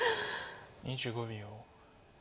２５秒。